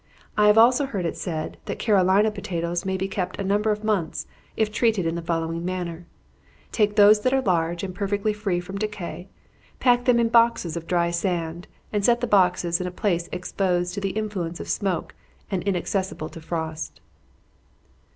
I have also heard it said, that Carolina potatoes may be kept a number of months, if treated in the following manner: Take those that are large, and perfectly free from decay pack them in boxes of dry sand, and set the boxes in a place exposed to the influence of smoke, and inaccessible to frost.